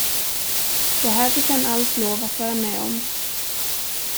Det här fick han allt lov att vara med om.